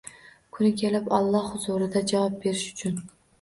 Kun kelib Alloh huzurida javob berish uchun